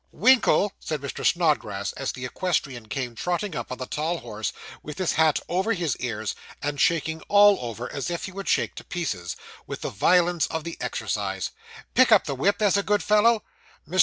'Winkle,' said Mr. Snodgrass, as the equestrian came trotting up on the tall horse, with his hat over his ears, and shaking all over, as if he would shake to pieces, with the violence of the exercise, 'pick up the whip, there's a good fellow.' Mr.